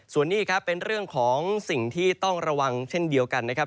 ส่วนนี้ครับเป็นเรื่องของสิ่งที่ต้องระวังเช่นเดียวกันนะครับ